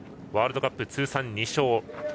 ワールドカップ通算２勝。